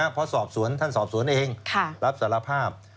เพราะสอบสวนท่านสอบสวนเองรับสารภาพ